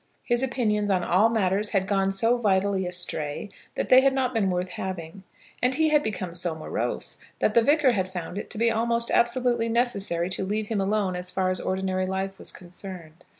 His opinions on all matters had gone so vitally astray, that they had not been worth having. And he had become so morose, that the Vicar had found it to be almost absolutely necessary to leave him alone as far as ordinary life was concerned.